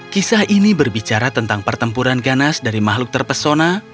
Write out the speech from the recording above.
kisah ini berbicara tentang pertempuran ganas dari makhluk terpesona